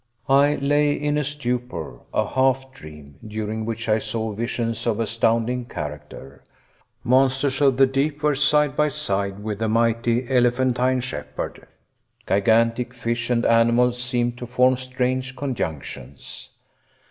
I lay in a stupor, a half dream, during which I saw visions of astounding character. Monsters of the deep were side by side with the mighty elephantine shepherd. Gigantic fish and animals seemed to form strange conjunctions.